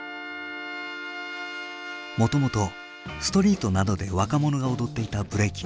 もともとストリートなどで若者が踊っていたブレイキン。